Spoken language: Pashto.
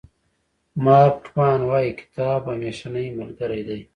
مارک ټواین وایي کتاب همېشنۍ ملګری دی.